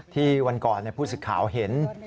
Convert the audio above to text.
ที่วันก่อนผู้ศึกข่าวเห็น